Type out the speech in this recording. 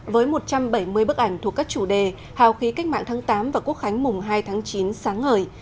với một trăm bảy mươi bức ảnh thuộc các chủ đề hào khí cách mạng tháng tám và quốc khánh mùng hai tháng chín sáng ngời